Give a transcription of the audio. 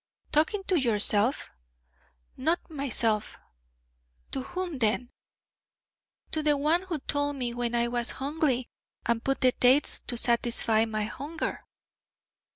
'Talking to your_self_?' 'Not myself.' 'To whom, then?' 'To the one who told me when I was hungly, and put the dates to satisfy my hunger.'